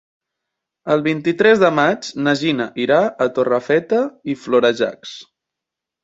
El vint-i-tres de maig na Gina irà a Torrefeta i Florejacs.